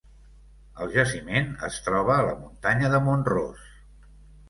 El jaciment es troba a la muntanya de Mont Ros.